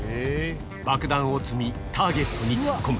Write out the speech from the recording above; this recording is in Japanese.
爆弾を積み、ターゲットに突っ込む。